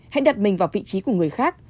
hãy đặt mình vào vị trí của người khác